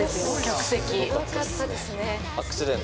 すごかったですね。